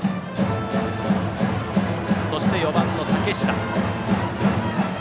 そして４番の竹下。